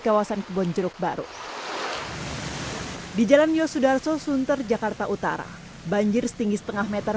kawasan kebonjeruk baru di jalan yosudarso sunter jakarta utara banjir setinggi setengah meter